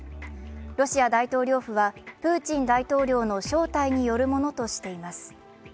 ロシア大統領府はプーチン大統領の招待によるものとしています。